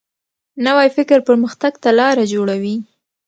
نوی فکر پرمختګ ته لاره جوړوي